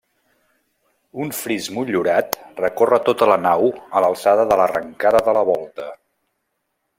Un fris motllurat recorre tota la nau a l'alçada de l'arrencada de la volta.